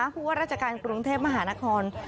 ผู้ว่าราชการกรุงเทพมหานคร